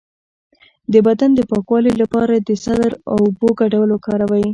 د بدن د پاکوالي لپاره د سدر او اوبو ګډول وکاروئ